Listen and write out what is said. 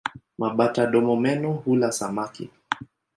Mabata-domomeno hula samaki.